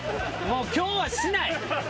もう今日はしない！